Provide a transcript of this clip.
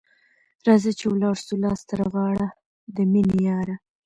راځه چي ولاړ سو لاس تر غاړه ، د میني یاره